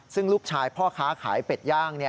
ซึ่งลูกชายพ่อค้าขายเป็ดย่าง